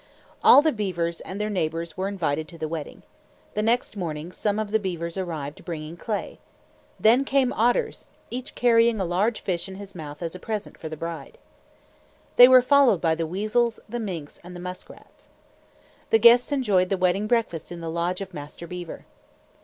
All the beavers and their neighbors were invited to the wedding. The next morning, some of the beavers arrived bringing clay. Then came otters, each carrying a large fish in his mouth as a present for the bride. They were followed by the weasels, the minks, and the muskrats. The guests enjoyed the wedding breakfast in the lodge of Master Beaver.